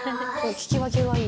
聞き分けがいい。